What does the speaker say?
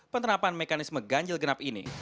penerapan mekanisme ganjil genap ini